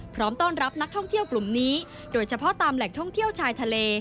พร้อมต้อนรับนักท่องเที่ยวกลุ่มนี้โดยเฉพาะตามแหล่งท่องเที่ยวชายทะเล